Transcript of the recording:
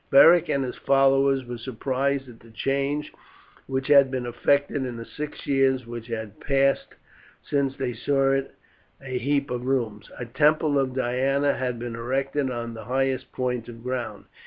Beric and his followers were surprised at the change which had been effected in the six years which had passed since they saw it a heap of ruins. A temple of Diana had been erected on the highest point of ground.